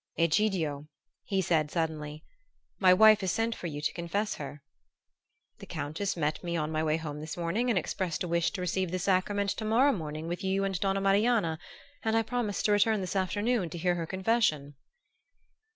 "Egidio," he said suddenly, "my wife has sent for you to confess her?" "The Countess met me on my way home this morning and expressed a wish to receive the sacrament to morrow morning with you and Donna Marianna, and I promised to return this afternoon to hear her confession."